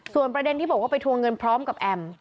ส่วนประเด็นที่บอกว่าไปทวงเงินพร้อมกับแอม